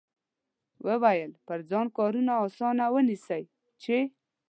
وویل پر ځان کارونه اسانه ونیسئ چې.